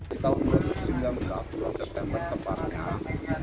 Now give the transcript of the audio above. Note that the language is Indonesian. di tahun seribu sembilan ratus sebelas september kemarin